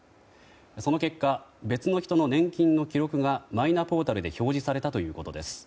その結果、別の人の年金の記録がマイナポータルで表示されたということです。